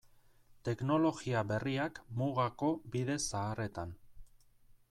Teknologia berriak mugako bide zaharretan.